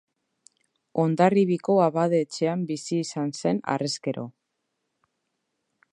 Hondarribiko abade-etxean bizi izan zen harrezkero.